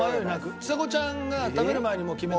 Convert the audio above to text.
ちさ子ちゃんが食べる前にもう決めた？